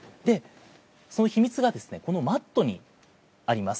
その秘密がこのマットにあります。